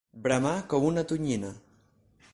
Bramar com una tonyina.